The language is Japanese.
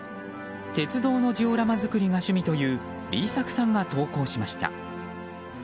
鉄道のジオラマ作りが趣味というＢ作さんが投稿しました。